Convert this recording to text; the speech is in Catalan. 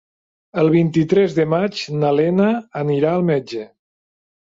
El vint-i-tres de maig na Lena anirà al metge.